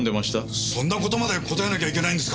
そんな事まで答えなきゃいけないんですか？